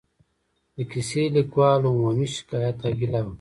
د کیسه لیکوالو عمومي شکایت او ګیله وه.